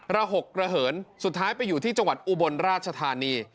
ระหกระเหินสุดท้ายไปอยู่ที่จังหวัดอุบลราชธานี